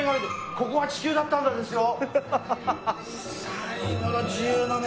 「ここは地球だったんだ」ですよ！